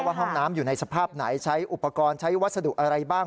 ห้องน้ำอยู่ในสภาพไหนใช้อุปกรณ์ใช้วัสดุอะไรบ้าง